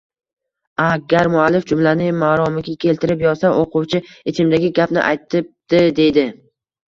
Agar muallif jumlani maromiga keltirib yozsa, o‘quvchi: “Ichimdagi gapni aytibdi”, deydi.